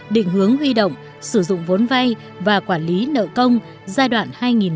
định hướng huy động sử dụng vốn vay và quản lý nợ công giai đoạn hai nghìn một mươi sáu hai nghìn hai mươi